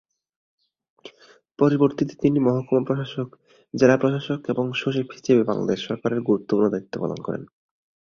পরবর্তীতে তিনি মহকুমা প্রশাসক, জেলা প্রশাসক এবং সচিব হিসেবে বাংলাদেশ সরকারের গুরুত্বপূর্ণ দায়িত্ব পালন করেন।